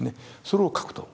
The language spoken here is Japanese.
それを描くと。